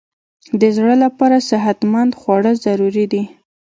د زړه لپاره صحتمند خواړه ضروري دي.